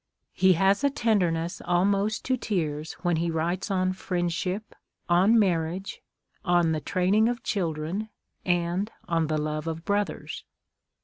He has a tenderness almost to tears when he writes on " Friendship," on " Marriage," on " the Training of Children," and on the " Love of Brothers."